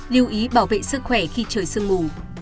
lưu ý bảo vệ sức khỏe khi trời sương mù